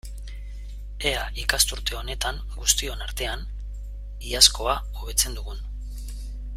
Ea ikasturte honetan, guztion artean, iazkoa hobetzen dugun!